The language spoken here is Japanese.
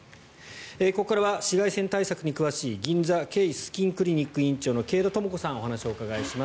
ここからは紫外線対策に詳しい銀座ケイスキンクリニック院長の慶田朋子さんにお話をお伺いします。